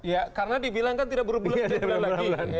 ya karena dibilang kan tidak berbulan bulan